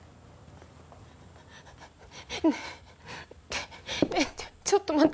ねえちょっと待って。